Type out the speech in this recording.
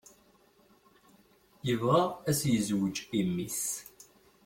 Yebɣa ad s-yezweǧ i mmi-s.